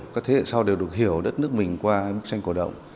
các thế hệ sau đều được hiểu đất nước mình qua bức tranh cổ động